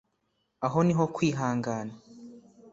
Aho ni ho kwihangana